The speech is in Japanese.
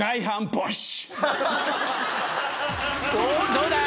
どうだ？